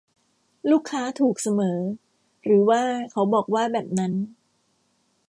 ลูกค้าถูกเสมอ หรือว่าเขาบอกว่าแบบนั้น